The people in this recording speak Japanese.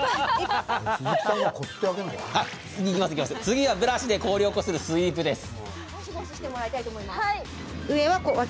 次は、ブラシで氷をこするスイープです。